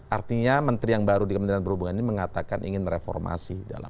artinya menteri yang baru di kementerian perhubungan ini mengatakan ingin mereformasi